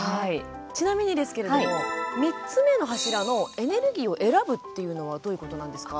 ちなみにですけれども３つ目の柱のエネルギーを選ぶっていうのはどういうことなんですか。